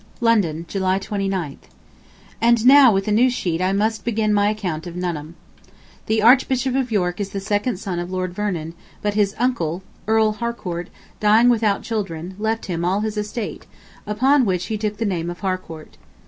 LONDON, July 29th. And now with a new sheet I must begin my account of Nuneham. ... The Archbishop of York is the second son of Lord Vernon, but his uncle, Earl Harcourt, dying without children, left him all his estate, upon which he took the name of Harcourt.